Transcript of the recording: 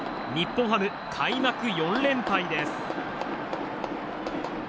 日本ハム、開幕４連敗です。